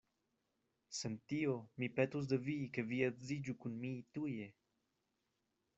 Sen tio, mi petus de vi, ke vi edziĝu kun mi tuje.